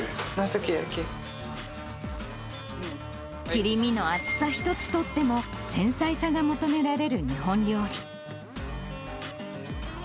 切り身の厚さ一つとっても、繊細さが求められる日本料理。